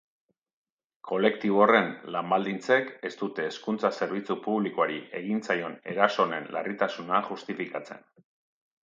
Kolektibo horren lan-baldintzek ez dute hezkuntza-zerbitzu publikoari egin zaion eraso honen larritasuna justifikatzen.